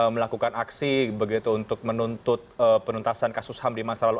melakukan aksi begitu untuk menuntut penuntasan kasus ham di masa lalu